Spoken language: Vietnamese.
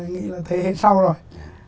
nghĩ là thế hệ sau rồi